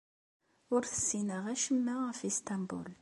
Ur tessineɣ acemma ɣef Isṭanbul.